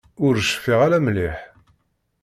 Ur cfiɣ ara mliḥ.